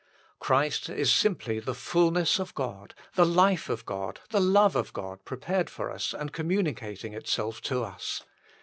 Christ is simply the fulness of God, the life of God, the love of God prepared for us and com municating itself to us.